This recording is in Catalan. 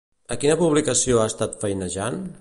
A quina publicació ha estat feinejant?